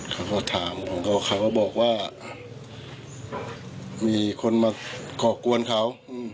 เขาก็บอกว่ามีคนมาก็โกรธเขา